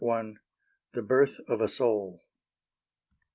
THE BIRTH OF A SOUL.